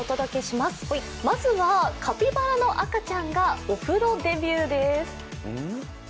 まずはカピバラの赤ちゃんがお風呂デビューです。